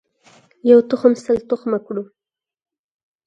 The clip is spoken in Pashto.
یو تخم سل تخمه کړو.